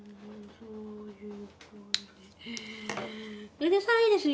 うるさいですよ。